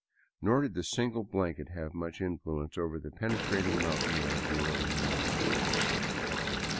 Nor did the single blanket have much influence over the penetrating mountain air of early morning.